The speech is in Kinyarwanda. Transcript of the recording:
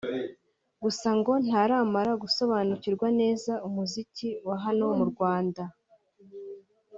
Gusa ngo ntaramara gusobanukirwa neza umuziki wa hano mu Rwanda